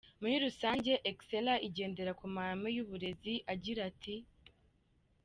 Muri rusange Excella igendera kumahame y’uburezi agira ati:.